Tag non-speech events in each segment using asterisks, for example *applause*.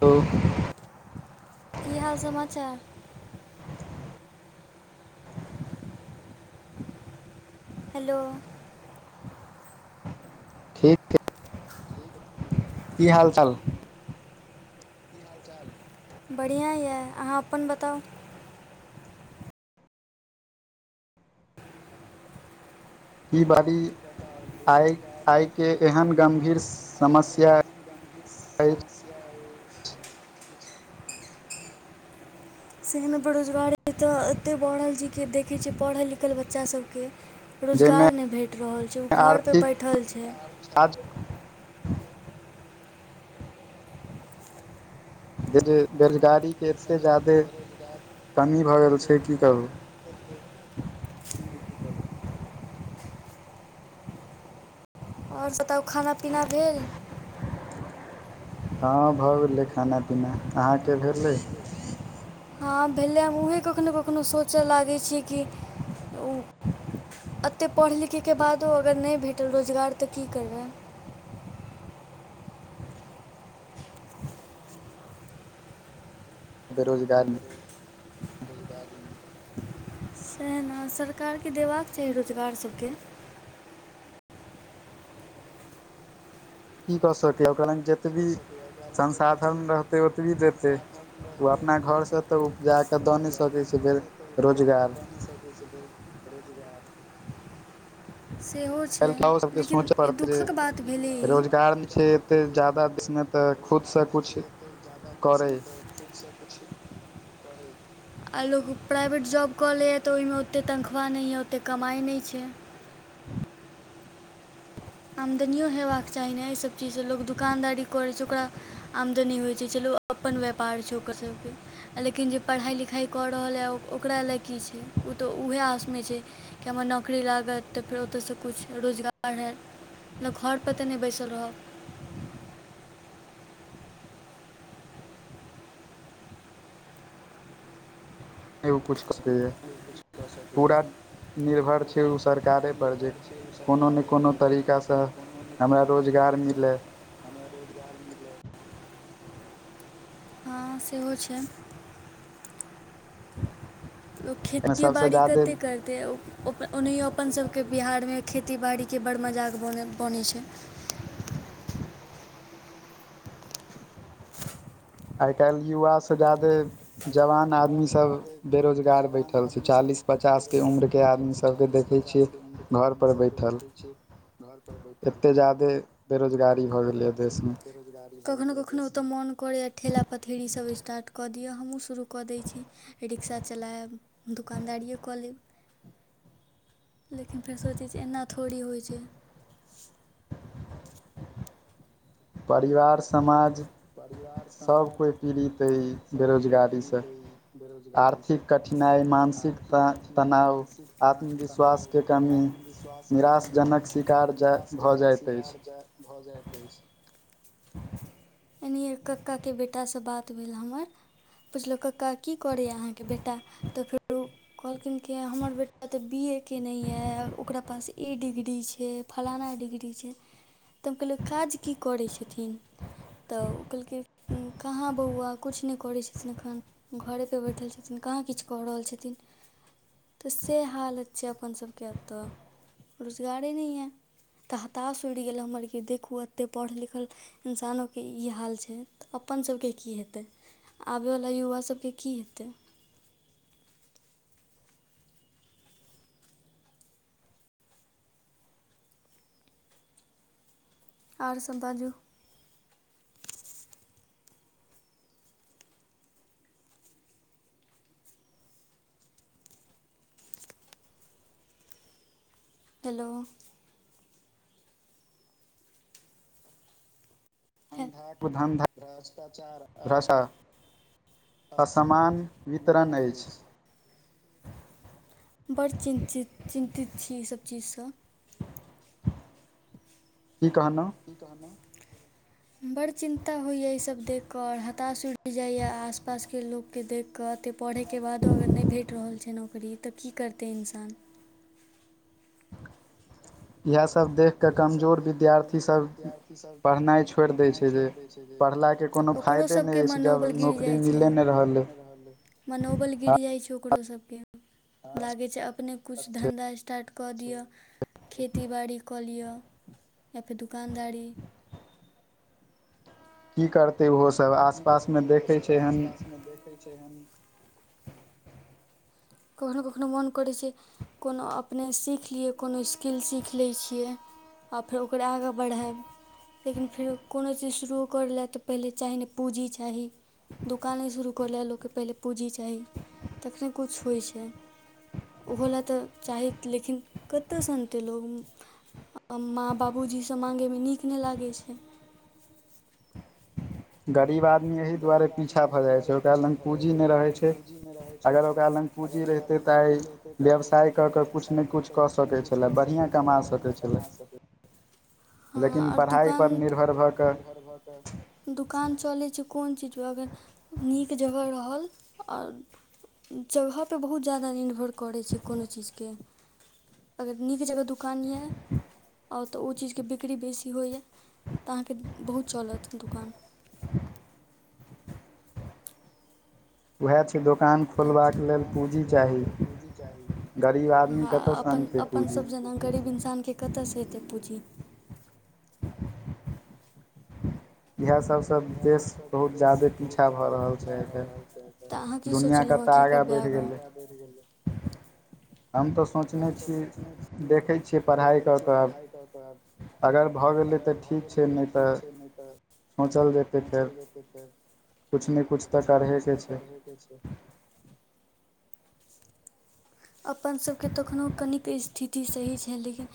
ह *inaudible* की हाल समाचार। हेलो। ठीक छैय। की हाल चाल? की हाल चाल? बढ़िआँ यऽ अहाँ अपन बताउ। *unintelligible* आइ आइके एहन गम्भीर समस्या अइछ। सेहन बेरोजगारी तऽ एतय बढ़ल छैय कि देखै छियै पढ़ल लिखल बच्चा सभके जाहिमे रोजगार नहि भेट रहल छैय, ओ घरपे आर्थिक बैठल छैय। आज *unintelligible* जे से रोजगारीके एतेक ज्यादे कमी भऽ गेल छैय की कहू। आओर बताउ खाना पीना भेल। हँ भऽ गेलै खाना पीना, अहाँके भेलै। हँ भेलै। हम उएह कखनहु कखनहु सोचय लागै छीयै कि ओ एते पढ़ै लिखैके बादो अगर नहि भेटल रोजगार तऽ की करबै। बेरोजगारी सह ने सरकारके देबाक चाही रोजगार सभके। की कऽ सकै ओ कनेक जेतबी संसाधन रहतै ओतबी देतै। ओ अपना घरसँ तऽ ओ त अपना घरसँ त बिहारके रोजगार द नहि सकै छैय। *inaudible* सेहो छै काल्हि सबके लेकिन सोचऽ ई पड़तै दुःखक बात भेलै ई। रोजगार नहि छै एते जादा देशमे तऽ खुदसँ किछु करै। ठीक जा प कह *unintelligible* आ लोक प्राइवेट जॉब कऽ लैए तऽ ओहिमे ओतेक तनख्वाह नहि यए ओतेक कमाइ नहि छै। आमदनियो हेबाक चाही ने एहिसभ चीजसँ लोक दोकानदारी करैत छै ओकरा आमदनी होइत छै चलू। अपन व्यापार छै ओकर सबके लेकिन जे पढ़ाई लिखाई कर रहल हे ओकरा लाग। की छै ओ तऽ उएह आसमे छै। कि हमरा नौकरी लागत तऽ फेर ओतऽसँ किछु रोजगार ह मतलब घरपर तऽ नहि बैसल रहब। नहि ओ किछु क सकैए पूरा निर्भर छै ओ सरकारे पर जे। कोनो ने कोनो तरीकासँ हमरा रोजगार मिलय। हँ सेहो छै। लोक एहिमे खेतिे सभसँ बाड़ी ज्यादे कते करतै। तऽ ओनाहियो अपन सभके बिहारमे खेती बाड़ीके बडड़ मजाक बनैत छै। आइ काल्हि युवा से जा्यदे। जवान आदमी सब बेरोजगार बैठल छै चालीस पचास के उम्र के आदमी सब के देखे छै। पचास के उम्र के आदमी सबके देखैत छियै घर पर बैठे। एतेक जादे। बेरोजगारी भऽ गेलैए देशमे। कखनो कखनो ओते मोन करया ठेला पथरी सब स्टार्ट कऽ द दि हमहुँ शुरू कऽ दै छी रिक्शा चलायब दोकानदारिए कऽ लेब। लेकिन फेर सोचै छै एना थोड़ी होइत छै। परिवार समाज। परिवार सभ कोइ समाज पीड़ित अइ सभ कोइ बेरोजगारीसँ पीड़ित अइ बेरोजगार। आर्थिक कठिनाइ मानसिक तनाव आत्मविश्वासके कमी। निराशजनक शिकार भऽ जाइत अछि। भऽ जाइतै अछि। एनाहिए कक्काके बेटासँ बात भेल हमर। पुछलहुँ कक्का की करैया अहाँके बेटा तऽ फेरो। कहलखिन कि हमर बेटा तऽ बी ए केयने यए ओकरा पास ए डिग्री छै। फलाना डिग्री छै तऽ हम कहलहुँ काज की करै छथिन। तऽ ओ कहलकै कहाँ बौआ किछु नहि करै छथिन एखन। घरेपर बैठल छथिन कहाँ किछु कऽ रहल छथिन। तऽ से हालत छै अपन सबके ओत रोजगारी न है। तऽ हताश उड़ि गेल हमर कि देखू एतेक पढ़ल लिखल इन्सानो। के ई हाल छै तऽ अपन सबके की हेतै आबैवला युवा सबके की हेतै। और सब बाजू। हेलो। धन्धा भ्रष्टाचार आ। भाषा *unintelligible* असमान वितरण अछि। बड़ चिन्तित चिन्तित छी। ईसभ चीजसँ की कहनो बड़ चिन्ता होइया ई सब देख कऽ आऔर हताश उर जायया आस पास के लोग के देख के एते पढ़े के बादो अगर नहि भेट रहल छै। नौकरी तऽ की करतै इन्सान। इएह सब देख के कमजोर विद्यार्थी सब पढ़नाइ छोड़ि दै छै। जे पढ़लाके कोनो ओकरो फायदे सभके नहि अछि जब मनोबल गिर नौकरी जाइ छै। मिले नहि रहलै मनोबल गिर जाइ छै। ओकरो सबके लागैत छै। अपने किछु धन्धा स्टार्ट कऽ दिअ खेती बाड़ी कऽ लिअ या फेर दोकानदारी। की करतै ओहोसभ आसपासमे देखै छै। एहन चन कखनो कखनो मन करै छै। कोनो अपने सीख लियै। कोनो स्किल सीख लै छियै। आ फेर ओकर आगाँ बढ़ब। लेकिन फेर कोनो चीज शुरू कर लए तऽ पहिले चाही ने पूँजी चाही। दोकाने शुरू कऽ ल लोककेँ पहिले पूँजी चाही तखने कुछ होइ छै। ओहो लए तऽ चाही। लेकिन कतयसँ अनतै लोक माँ बाबूजीसँ माँगैमे नीक नहि लागैत छै। गरीब आदमी एहि दुआरे पीछा भऽ जाइ छै। ओकरा लग पूँजी नहि रहै छै। अगर ओकरा लग पूंजी रहते ता व्यवसाय क के कुछ ने कुछ कऽ सकैत छै। छलै बढ़िआँ कमा सकै छलै। *inaudible* ह लेकिन आओर पढ़ाइपर दुकाना निर्भर भऽ कऽ निभर भ दुकान चले छै। कोन चीजमे अगर नीक जगह रहल। आओर जगहपर बहुत ज्यादा निर्भर करै छै। कोनो चीजके अगर नीक जगह दुकान ये तऽ ओ चीज के बिक बिक्री बेसी होइए तऽ अहाँके बहुत चलत दोकान। उएह छै दोकान खोलबाक लेल न पूँजी खोल चाही लेल पूजी चाही। गरीब आदमी ह कतयसँ अपन अनतै अपन पूँजी सभ जेना गरीब इंसान के कतयसँ हेतै पूँजी। इएह सब। इएह सब देश बहुत जादे रहल छै पीछा आइ भऽ रहल काल्हि छै। तऽ अहाँ की दुनिआँ सोचलहुँ ह कतय की करबै बढ़ि आगाँ। गेलै ब गेलै। हम तऽ सोचने हम तऽ छी सोचने छीिय देखै छियै पढ़ाइ देखै कऽ छियै। पढ़ाइ कऽ कऽ अगर भऽ गेलै तऽ ठीक छै। नहि तऽ नहि तऽ सोचल जेतै फेर किछु नहि किछु तऽ करहेके छै। देखे छीये। अपन सभके तखनो कनिक स्थिति सही छै। लेकिन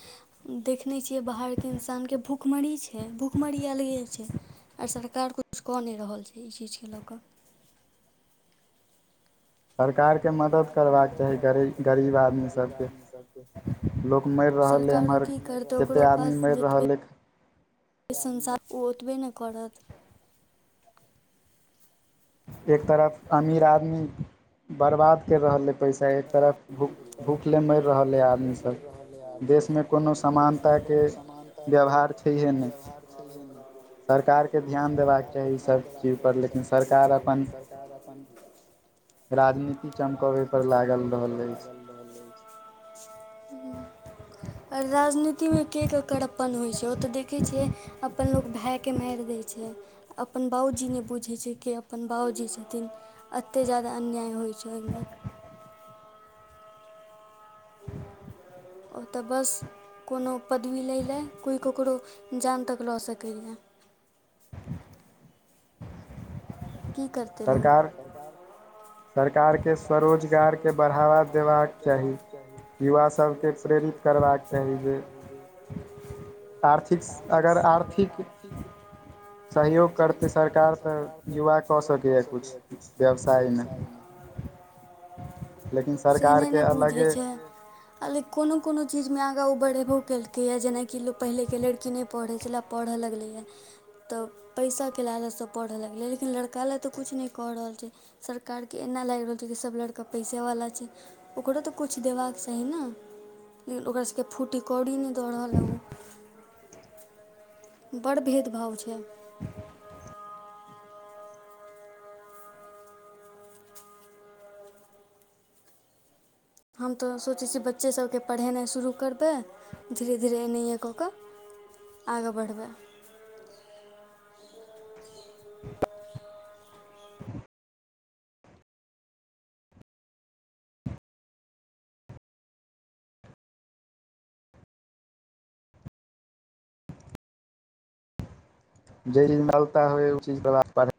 देखने छियै। बाहरके इन्सानके भुखमरी छै। भुखमरी अलगे छै। आर सरकार किछु कऽ नहि रहल छै। ई चीजके लऽ कऽ सरकार के मदद करबाक चाही ग गरीब आदमी सबके लोक मरि रहलै। सरकारो एमहर की करतै ओकरो कते आदमी पास मरि जतबे रहलै। संसार ओ ओतबे नहि करत। एक तरफ अमीर आदमी बर्बाद करि रहलै। एक तरफ भूखले मैर रहल अय आदमी सब। देशमे कोनो समानताके व्यवहार छैहे नहि व्यवहार छलहे नहि। सरकारके ध्यान देबाक चाही इ सब चीजपर लेकिन सरकारअब राजनीति चमकवे पर लगल रहल अइच। चल रहल अछि। *unintelligible* राजनीतिमे के के करप्पन होइत छै ओ तऽ देखैय छियै? अपन लोक भायके माइर दै छै। अपन बाबूजी नहि बुझैत छै कि अपन बाबूजी छथिन। एते जादा अन्याय होइ छै ओहिमे। ओहतऽ बस कोनो पदवी लै लेए कोइ ककरो जान तक लऽ सकैए। की करतै लोक? सरकार सरकारके स्वरोजगारके बढ़ावा देबाक चाही युवा सभके प्रेरित प्रेरित करबाक चाही। आर्थिकस अगर आर्थिक *unintelligible* सहयोग करतै सरकार तऽ युवा कऽ सकैए किछु व्यवसायमे। लेकिन से नहि सरकारके ने बूझै अलगे छै। आ लेक कोनो कोनो चीजमे आगाँ ओ बढ़ेबो केलकैए जेनाकि लोक पहिलेके लड़की नहि पढ़ैत छलै पढ़ऽ लगलैए। तऽ पैसाके लालच सं पढ़ऽ लगलै लेकिन लड़ काले तऽ किछु नहि कऽ रहल छै। सरकारके एना लागि रहल छै कि सभ लड़का पैसेवाला छै। ओकरो तऽ किछु देबाक चाही ने लेकिन ओकररासभके फूटी कौड़ी नहि दऽ रहल हए ओ। बड़ भेदभाव छै। हम तऽ सोचै छियै बच्चे सभके पढ़ेनाइ शुरू करबै धीरे धीरे एनाहिए कऽ कऽ आगे बढ़बै। जे चीज मलता हय ओ चीज